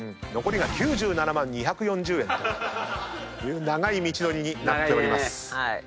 残りが９７万２４０円という長い道のりになっております。